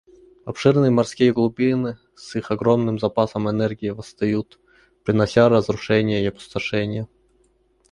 Обширные морские глубины с их огромным запасом энергии восстают, принося разрушения и опустошение.